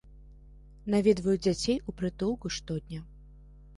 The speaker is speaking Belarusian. Наведваю дзяцей у прытулку штодня.